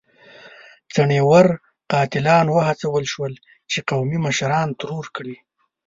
څڼيور قاتلان وهڅول شول چې قومي مشران ترور کړي.